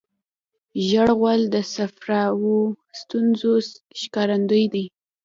ژېړ غول د صفراوي ستونزو ښکارندوی دی.